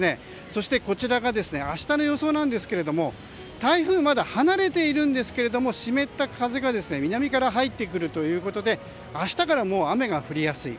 そしてこちらが明日の予想ですが台風まだ離れているんですけれども湿った風が南から入ってくるということで明日からもう雨が降りやすい。